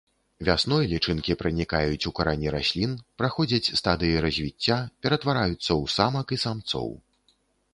Вясной лічынкі пранікаюць у карані раслін, праходзяць стадыі развіцця, ператвараюцца ў самак і самцоў.